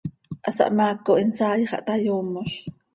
Hasahmaaco hin saai xah ta yoomoz.